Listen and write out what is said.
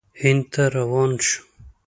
هند ته روان شو.